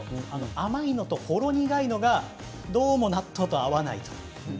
甘いのと、ほろ苦いのがどうも納豆と合わないと。